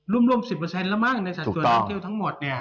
ร่วม๑๐ละบางในสัดส่วนนักท่องเที่ยวทั้งหมดเนี่ย